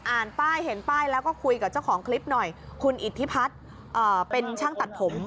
ป้ายเห็นป้ายแล้วก็คุยกับเจ้าของคลิปหน่อยคุณอิทธิพัฒน์เป็นช่างตัดผม